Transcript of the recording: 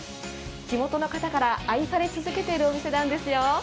地元の方から愛され続けているお店なんですよ。